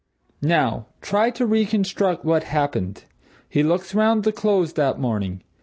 Now, try to reconstruct what happened. He looks round the Close that morning.